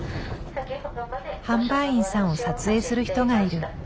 販売員さんを撮影する人がいる。